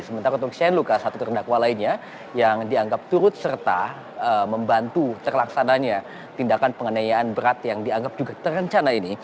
sementara untuk shane luca satu terdakwa lainnya yang dianggap turut serta membantu terlaksananya tindakan penganiayaan berat yang dianggap juga terencana ini